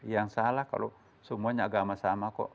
yang salah kalau semuanya agama sama kok